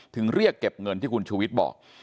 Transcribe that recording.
เรียกเก็บเงินที่คุณชูวิทย์บอก